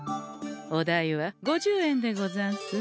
お代は５０円でござんす。